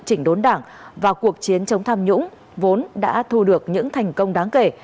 chỉnh đốn đảng và cuộc chiến chống tham nhũng vốn đã thu được những thành công đáng kể